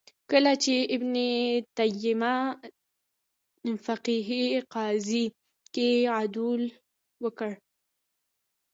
کله چې ابن تیمیه فقهې قضیې کې عدول وکړ